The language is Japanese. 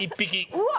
うわ。